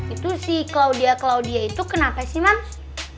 itu si claudia claudia itu kenapa sih map